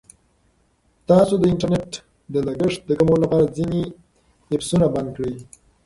تاسو د انټرنیټ د لګښت د کمولو لپاره ځینې ایپسونه بند کړئ.